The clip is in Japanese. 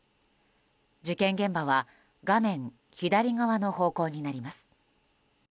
事件現場は画面左側の方向になります。